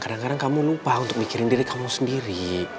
kadang kadang kamu lupa untuk mikirin diri kamu sendiri